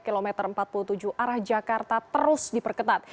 kilometer empat puluh tujuh arah jakarta terus diperketat